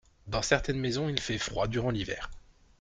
Dans certaines maisons il fait froid durant l’hiver.